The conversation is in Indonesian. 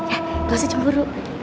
enggak usah cemburu